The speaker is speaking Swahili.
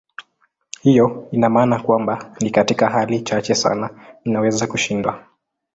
Hiyo ina maana kwamba ni katika hali chache sana inaweza kushindwa.